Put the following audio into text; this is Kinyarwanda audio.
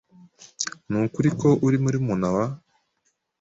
Nukuri ko uri murumuna wa ?